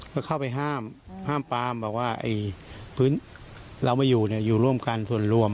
ก็เข้าไปห้ามห้ามปามบอกว่าไอ้พื้นเรามาอยู่เนี่ยอยู่อยู่ร่วมกันส่วนรวม